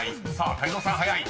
［泰造さん早い。